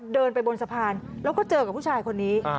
เดินไปบนสะพานแล้วก็เจอกับผู้ชายคนนี้